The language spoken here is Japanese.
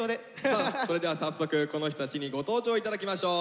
それでは早速この人たちにご登場いただきましょう。